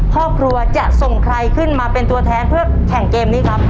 ครอบครัวจะส่งใครขึ้นมาเป็นตัวแทนเพื่อแข่งเกมนี้ครับ